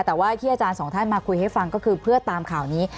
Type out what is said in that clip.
แต่ว่าที่อาจารย์สองท่านมาคุยให้ฟังก็คือเพื่อตามข่าวนี้